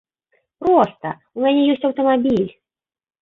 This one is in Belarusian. Проста, у мяне ёсць аўтамабіль.